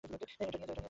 এটা নিয়ে নাও।